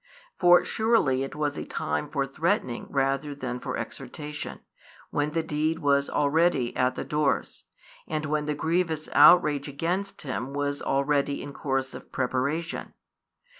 For surely it was a time for threatening rather than for exhortation, when the deed was already at the doors, and when the grievous outrage against Him was already in course of preparation.